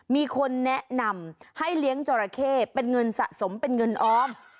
มีคนแนะนำให้เลี้ยงจราเข้เป็นเงินสะสมเป็นเงินออม